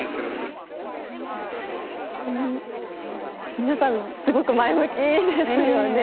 皆さん、すごく前向きですよね。